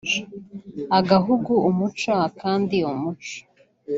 Agahugu umuco akandi umuco